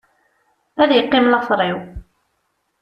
Ad yeqqim later-iw.